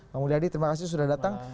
pak mulyadi terima kasih sudah datang